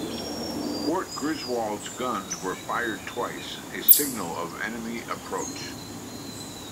Fort Griswold's guns were fired twice, a signal of enemy approach.